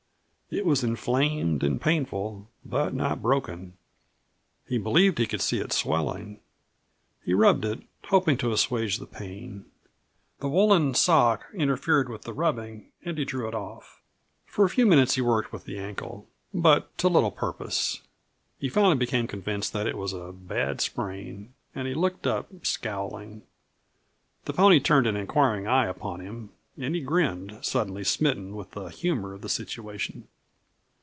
It was inflamed and painful, but not broken. He believed he could see it swelling. He rubbed it, hoping to assuage the pain. The woolen sock interfered with the rubbing, and he drew it off. For a few minutes he worked with the ankle, but to little purpose. He finally became convinced that it was a bad sprain, and he looked up, scowling. The pony turned an inquiring eye upon him, and he grinned, suddenly smitten with the humor of the situation.